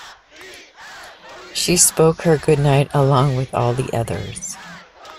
She spoke her good-night along with all the others.